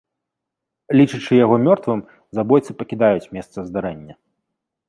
Лічачы яго мёртвым, забойцы пакідаюць месца здарэння.